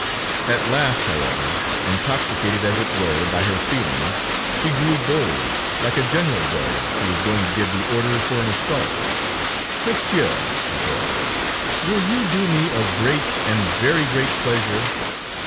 At last, however, intoxicated, as it were, by her feelings, she grew bold, like a general does, who is going to give the order for an assault. "Monsieur," she said, "will you do me a great, a very great pleasure?